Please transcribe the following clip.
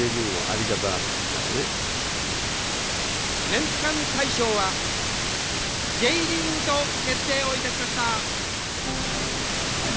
年間大賞はＪリーグと決定をいたしました